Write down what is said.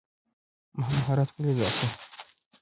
مهارت ولې زده کړو؟